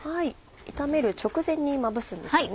炒める直前にまぶすんですよね。